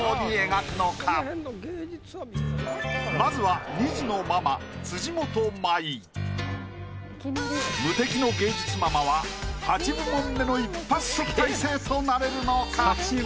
まずは２児のママ無敵の芸術ママは８部門目の一発特待生となれるのか？